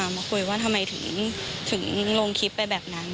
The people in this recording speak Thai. มาคุยว่าทำไมถึงลงคลิปไปแบบนั้น